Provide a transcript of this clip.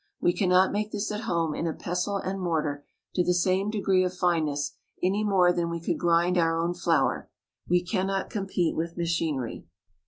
We cannot make this at home in a pestle and mortar to the same degree of fineness any more than we could grind our own flour. We cannot compete with machinery.